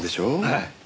はい。